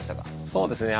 そうですね。